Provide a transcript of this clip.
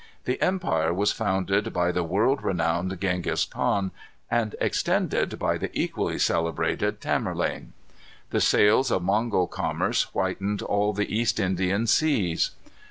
The empire was founded by the world renowned Gengis Khan, and extended by the equally celebrated Tamerlane. The sails of Mongol commerce whitened all the East Indian seas.